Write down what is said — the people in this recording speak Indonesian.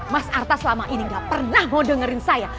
mas arta selama ini gak pernah mau dengerin saya